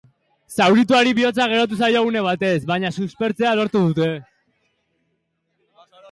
Zaurituari bihotza geratu zaio une batez, baina suspertzea lortu dute.